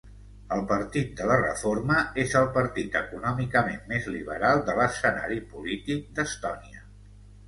El Partit de la Reforma és el partit econòmicament més liberal de l'escenari polític d'Estònia.